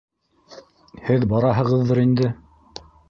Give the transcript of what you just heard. Һеҙ бараһығыҙҙыр инде.